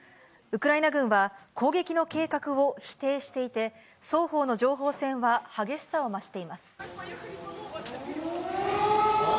ウクライナ軍は、攻撃の計画を否定していて、双方の情報戦は激しさを増しています。